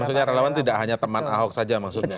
jadi maksudnya relawan tidak hanya teman ahok saja maksudnya